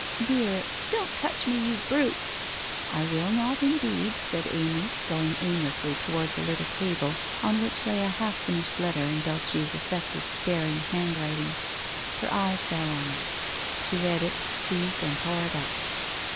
' Dear '' Don't touch me, you brute !'' I will not, indeed,' said Amy, going aimlessly towards a little table on which lay a half finished letter in Dulce's affected staring handwriting. Her eye fell on it. She read it, seized and tore it up.